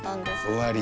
終わり。